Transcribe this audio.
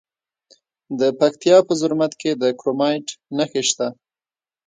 د پکتیا په زرمت کې د کرومایټ نښې شته.